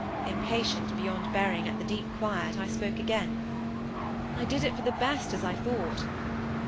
Impatient beyond bearing at the deep quiet, I spoke again,— "I did it for the best, as I thought."